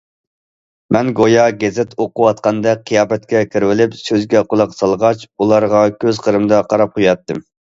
مەن گويا گېزىت ئوقۇۋاتقاندەك قىياپەتكە كىرىۋېلىپ سۆزىگە قۇلاق سالغاچ، ئۇلارغا كۆز قىرىمدا قاراپ قوياتتىم.